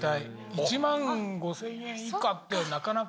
１万５０００円以下ってなかなか。